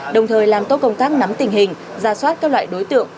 đồng thời làm tốt công tác nắm tình hình ra soát các loại đối tượng